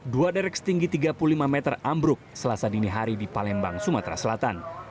dua derek setinggi tiga puluh lima meter ambruk selasa dini hari di palembang sumatera selatan